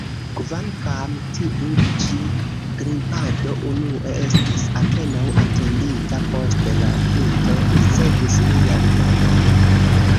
Kvankam tiu-ĉi grimpado unue estis apenaŭ atendita, poste la pinto ricevis lian nomon.